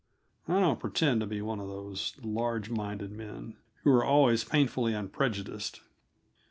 I don't pretend to be one of those large minded men who are always painfully unprejudiced.